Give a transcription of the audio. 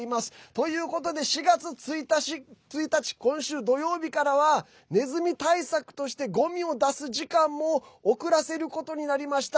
ということで４月１日、今週土曜日からはネズミ対策としてごみを出す時間も遅らせることになりました。